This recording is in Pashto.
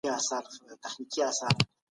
تر ټوخلو وروسته لاسونه پریمنځئ.